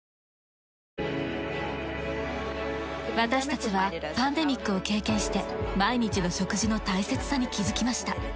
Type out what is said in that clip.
私たちはパンデミックを経験して毎日の食事の大切さに気づきました。